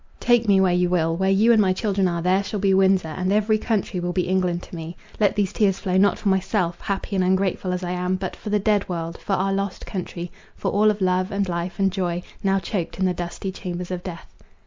Take me where you will; where you and my children are, there shall be Windsor, and every country will be England to me. Let these tears flow not for myself, happy and ungrateful as I am, but for the dead world—for our lost country—for all of love, and life, and joy, now choked in the dusty chambers of death."